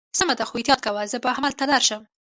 سمه ده، خو احتیاط کوه، زه به همالته درشم.